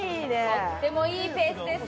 とってもいいペースです